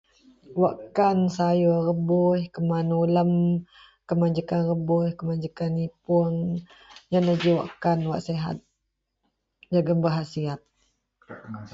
wakkan sayur rebuih keman ulem keman jekan rebuih, keman jekan ipoung, ienlah wakkan wak sihat jegum berkhasiat